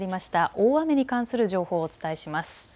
大雨に関する情報をお伝えします。